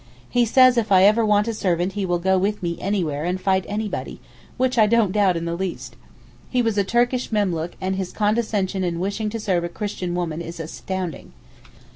He says if I ever want a servant he will go with me anywhere and fight anybody—which I don't doubt in the least. He was a Turkish memlook and his condescension in wishing to serve a Christian woman is astounding.